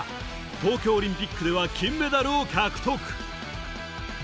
東京オリンピックでは金メダルを獲得。